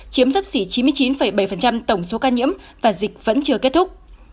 chiếm sắp xỉ chín mươi chín bảy tổng số ca nhiễm và dịch vẫn chưa kết thúc